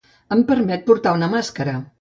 Em permet portar una màscara.